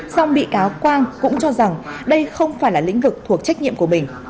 song bị cáo quang cũng cho rằng đây không phải là lĩnh vực thuộc trách nhiệm của mình